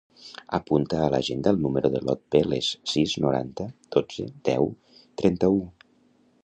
Apunta a l'agenda el número de l'Ot Velez: sis, noranta, dotze, deu, trenta-u.